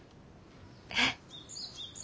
えっ。